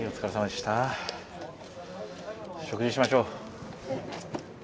食事しましょう。